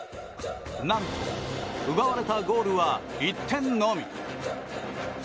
何と、奪われたゴールは１点のみ。